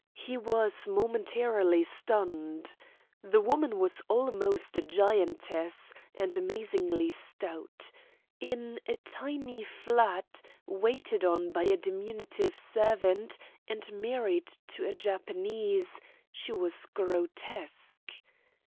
He was momentarily stunned. The woman was almost a giantess, and amazingly stout. In a tiny flat, waited on by a diminutive servant, and married to a Japanese, she was grotesque.